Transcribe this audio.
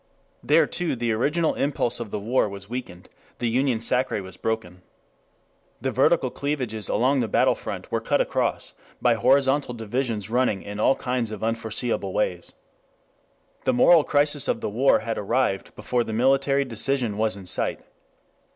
There too the original impulse of the war was weakened; the union sacrée was broken. The vertical cleavages along the battle front were cut across by horizontal divisions running in all kinds of unforeseeable ways. The moral crisis of the war had arrived before the military decision was in sight.